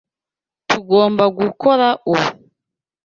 Tugomba gukora ubu.